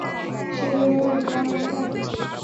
সে জন্যই হয়তো তাঁর মনে থাকবে।